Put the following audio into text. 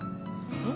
えっ？